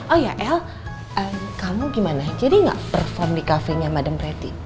oh ya el kamu gimana jadi gak perform di cafe nya madam pretty